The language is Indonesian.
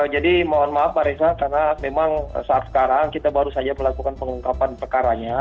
jadi mohon maaf pak reza karena memang saat sekarang kita baru saja melakukan pengungkapan perkaranya